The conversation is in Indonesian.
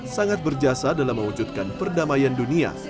sangat berjasa dalam mewujudkan perdamaian dunia